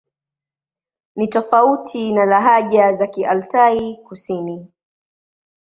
Ni tofauti na lahaja za Kialtai-Kusini.